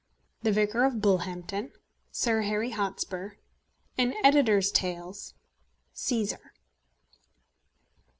THE VICAR OF BULLHAMPTON SIR HARRY HOTSPUR AN EDITOR'S TALES CÆSAR.